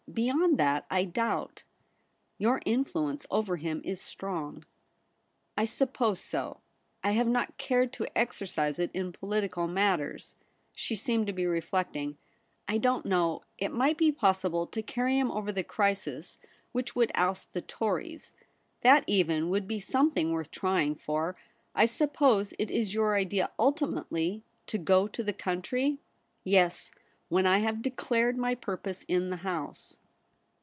' Beyond that I doubt.' * Your influence over him is strong.' ' I suppose so. I have not cared to ex ercise it in political matters.' She seemed to be reflecting. ' I don't know^ ; it might be possible to carry him over the crisis which would oust the Tories. That even would be something worth trying for. I suppose it is your idea ultimately to go to the country.' ' Yes, when I have declared my purpose in the House.'